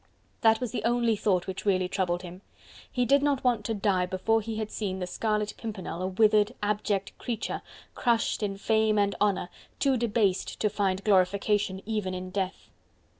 That was the only thought which really troubled him. He did not want to die before he had seen the Scarlet Pimpernel a withered abject creature, crushed in fame and honour, too debased to find glorification even in death.